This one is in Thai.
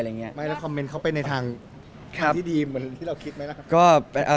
แล้วคอมเมนต์เขาไปในทางที่ดีเหมือนที่เราคิดไหมล่ะครับ